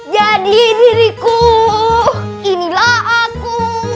jadi diriku inilah aku